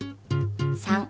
３。